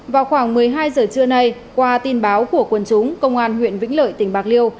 vào khoảng một mươi hai giờ trưa nay qua tin báo của quân chúng công an huyện vĩnh lợi tỉnh bạc liêu